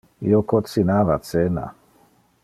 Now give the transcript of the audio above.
Io cocinava cena.